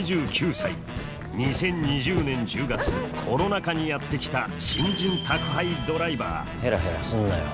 ２０２０年１０月コロナ禍にやって来た新人宅配ドライバーヘラヘラすんなよ。